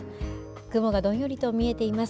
雲がどんよりと見えています。